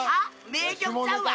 名曲ちゃうわ！